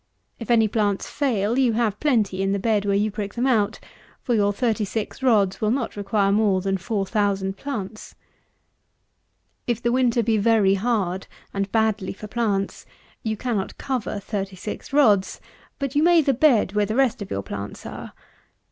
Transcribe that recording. If any plants fail, you have plenty in the bed where you prick them out; for your 36 rods will not require more than 4000 plants. If the winter be very hard, and bad for plants, you cannot cover 36 rods; but you may the bed where the rest of your plants are.